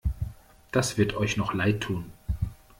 Das wird euch noch leidtun!